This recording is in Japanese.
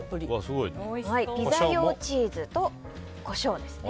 ピザ用チーズとコショウですね。